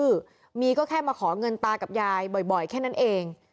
มีก็แค่มาขอเงินตากับยายบ่อยแค่นั้นเอง